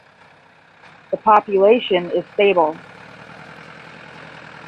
The population is stable.